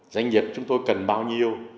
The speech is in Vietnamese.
doanh nghiệp chúng tôi cần bao nhiêu